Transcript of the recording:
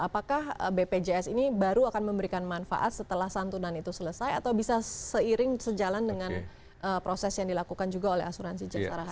apakah bpjs ini baru akan memberikan manfaat setelah santunan itu selesai atau bisa seiring sejalan dengan proses yang dilakukan juga oleh asuransi jasara har